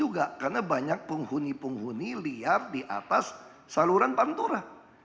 juga karena banyak penghuni penghuni liar di atas saluran pantura